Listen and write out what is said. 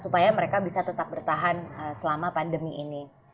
supaya mereka bisa tetap bertahan selama pandemi ini